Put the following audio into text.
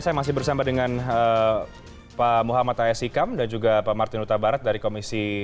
saya masih bersama dengan pak muhammad aya sikam dan juga pak martin utabarat dari komisi